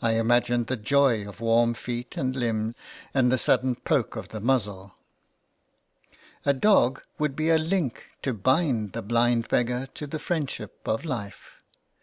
I imagined the joy of warm feet and limb, and the sudden poke of the muzzle. A dog would be a link to bind the blind 271 ALMS GIVING. beggar to the friendship of life.